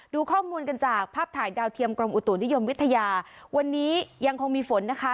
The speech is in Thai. ดูข้อมูลกันจากภาพถ่ายดาวเทียมกรมอุตุนิยมวิทยาวันนี้ยังคงมีฝนนะคะ